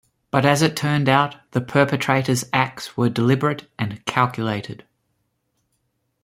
But as it turned out, the perpetrator's acts were deliberate and calculated.